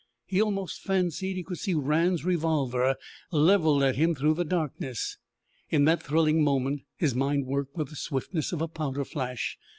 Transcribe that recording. He almost fancied he could see Rann's revolver levelled at him through the darkness. In that thrilling moment his mind worked with the swiftness of a powder flash.